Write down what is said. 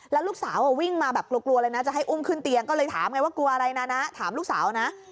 แล้วลูกสาววิ่งมาแบบกลัวเลยนะจะให้อุ้มขึ้นเตียงก็เลยถามไงว่ากลัวอะไรนะนะถามลูกสาวนะ